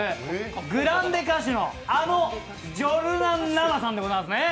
グランデ歌手のあの、ジョルナン・ラマさんでございますね。